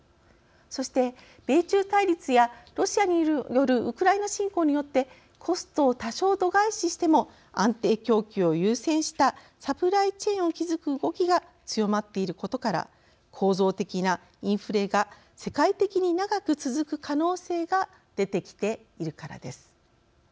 そして米中対立やロシアによるウクライナ侵攻によってコストを多少度外視しても安定供給を優先したサプライチェーンを築く動きが強まっていることから構造的なインフレが世界的に長く続く可能性が出てきているからです。